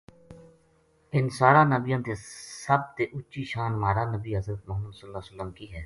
ان ساراں نبیاں تے سب تے اچی شان مہارا بنی حضرت محمدﷺ کی ہے۔